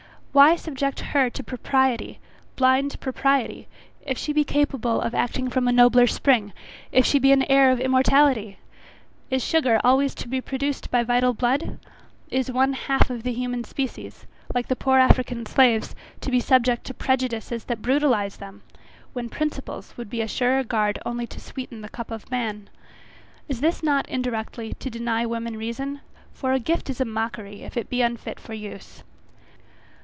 Why subject her to propriety blind propriety, if she be capable of acting from a nobler spring, if she be an heir of immortality? Is sugar always to be produced by vital blood? Is one half of the human species, like the poor African slaves, to be subject to prejudices that brutalize them, when principles would be a surer guard only to sweeten the cup of man? Is not this indirectly to deny women reason? for a gift is a mockery, if it be unfit for use.